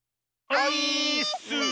オイーッス！